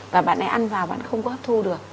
và bạn ấy ăn vào bạn không có hấp thu được